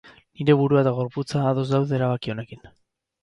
Nire burua eta gorputza ados daude erabaki honekin.